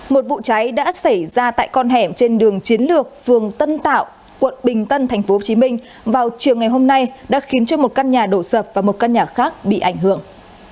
một vụ cháy đã xảy ra tại con hẻm trên đường chiến lược phường tân tạo quận bình tân tp hcm vào chiều ngày hôm nay đã khiến cho một căn nhà đổ sập và một căn nhà khác bị ảnh hưởng